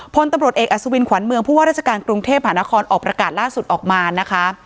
พลตำรวจเอกอัศวินขวัญเมืองผู้ว่าราชการกรุงเทพหานครออกประกาศล่าสุดออกมานะคะ